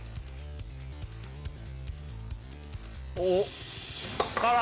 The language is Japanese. おっ。